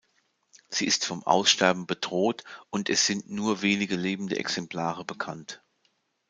Sie ist vom Aussterben bedroht und es sind nur wenige lebende Exemplare bekannt.